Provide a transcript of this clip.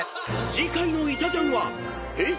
［次回の『いたジャン』はＨｅｙ！